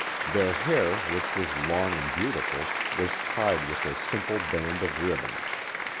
Their hair, which was long and beautiful, was tied with a simple band of ribbon.